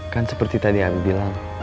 kan seperti tadi yang bilang